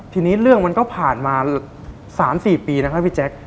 ทีนี้เรื่องมันก็ผ่านมา๓๔ปีนะคะพี่แจ๊ค